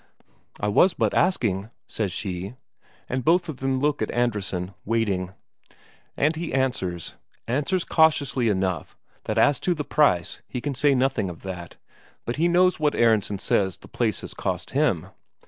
"I was but asking," says she. And both of them look at Andresen, waiting. And he answers: Answers cautiously enough that as to the price, he can say nothing of that, but he knows what Aronsen says the place has cost him.